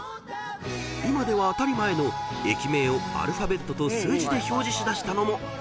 ［今では当たり前の駅名をアルファベットと数字で表示しだしたのもこの日から］